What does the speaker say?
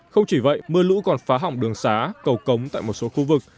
không chỉ vậy mưa lũ còn phá hỏng đường xá cầu cống tại một số khu vực